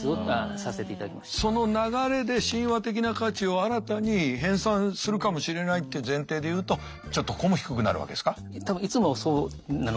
その流れで神話的な価値を新たに編纂するかもしれないって前提でいうとちょっとここも低くなるわけですか。